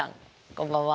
こんばんは。